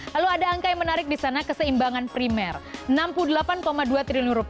lalu ada angka yang menarik di sana keseimbangan primer rp enam puluh delapan dua triliun